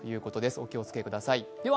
お気をつけください。